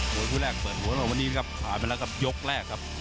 มวยคุณแรกเปิดหัวเราะวันนี้ครับขายไปแล้วกับยกแรกครับ